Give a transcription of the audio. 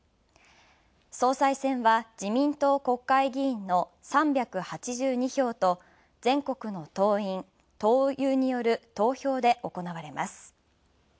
総裁選は自民党国会議員の３８２票と全国の党員・党友による投票で行われます。